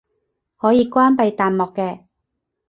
可以關閉彈幕嘅